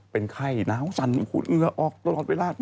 เป็นไข้น้ำสั่นขูดเหงื่อออกตลอดเวลา